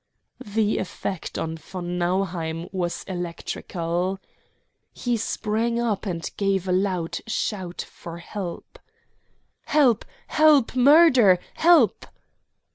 The effect on von Nauheim was electrical. He sprang up and gave a loud shout for help. "Help, help! Murder! Help!"